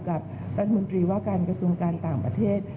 กับรัฐมนตรีว่าการกระทรวงการต่างประเทศ